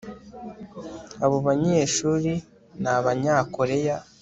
abo banyeshuri ni abanyakoreya